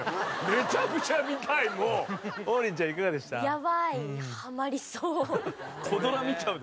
めちゃくちゃ見たい、もう。